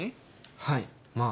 はいまぁ。